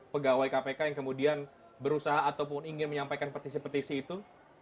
pegawai kpk yang kemudian berusaha ataupun ingin menyampaikan petisi petisi itu